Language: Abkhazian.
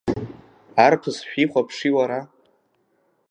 Арԥыс шәихәаԥши уара!